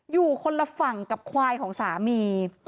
อยู่คนละฝั่งกับควายของสามี